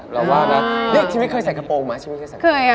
เลขทีมิดเคยใส่กระโปรงมั้ย